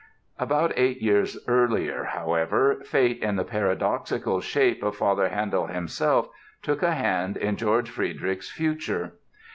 About eight years earlier, however, fate in the paradoxical shape of Father Handel himself took a hand in George Frideric's future.